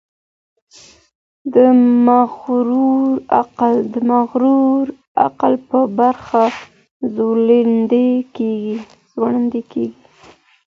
د مغرور عقل په برخه زولنې کړي